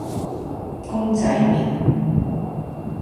公仔麪